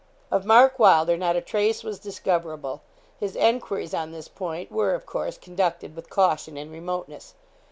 Of Mark Wylder not a trace was discoverable. His enquiries on this point were, of course, conducted with caution and remoteness.